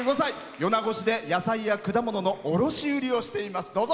米子市で、野菜や果物の卸売りをしています。